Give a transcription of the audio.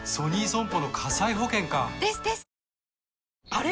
あれ？